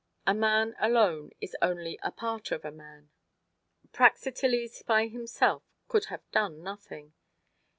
A man alone is only a part of a man. Praxiteles by himself could have done nothing.